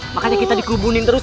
makanya kita dikubunin terus